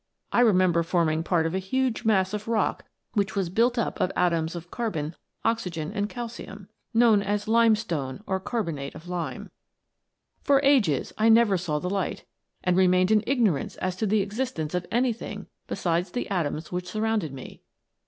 I remember forming part of a huge mass of rock which was built up of atoms of carbon, oxygen, and calcium.* For ages I never saw the light, and remained in ignorance as to the existence of any thing besides the atoms which surrounded me.